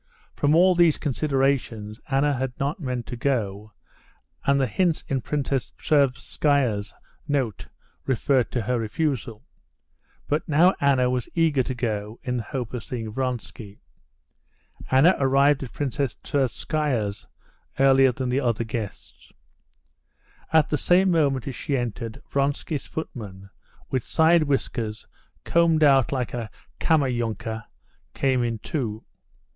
From all these considerations Anna had not meant to go, and the hints in Princess Tverskaya's note referred to her refusal. But now Anna was eager to go, in the hope of seeing Vronsky. Anna arrived at Princess Tverskaya's earlier than the other guests. At the same moment as she entered, Vronsky's footman, with side whiskers combed out like a Kammerjunker, went in too.